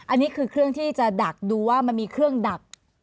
อันนี้คือเครื่องที่จะดักดูว่ามันมีเครื่องดัก